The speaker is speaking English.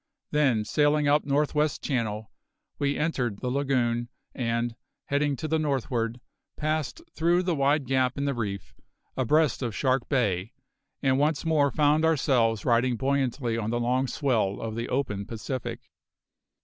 Then, sailing up North west Channel, we entered the lagoon and, heading to the northward, passed through the wide gap in the reef, abreast of Shark Bay, and once more found ourselves riding buoyantly on the long swell of the open Pacific.